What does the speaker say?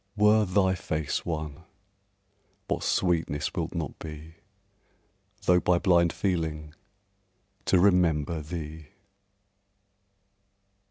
Were thy face one, what sweetness will't not be, Though by blind feeling, to remember thee!